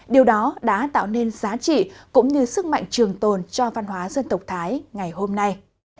điều đó đã tạo nên giá trị cũng như sức mạnh trường tồn cho văn hóa dân tộc thái ngày hôm nay